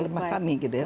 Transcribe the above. rumah kami gitu ya